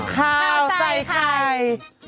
คาวใส่ไข่